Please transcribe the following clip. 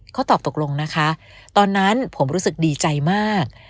เขาตอบตกลงนะคะตอนนั้นผมรู้สึกดีใจมาก